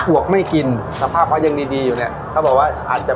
ถูกไม่กินสภาพเดียกดีอยู่เนี้ยเขาบอกว่าอาจจะ